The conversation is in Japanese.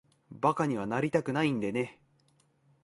馬鹿にはなりたくないんでね。